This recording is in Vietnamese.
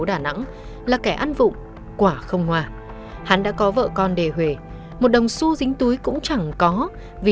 đà nẵng là kẻ ăn vụn quả không hòa hắn đã có vợ con đề hùy một đồng su dính túi cũng chẳng có vì